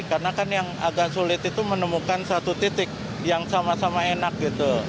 karena kan yang agak sulit itu menemukan satu titik yang sama sama enak gitu